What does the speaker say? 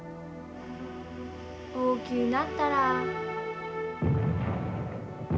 大きゅうなったら。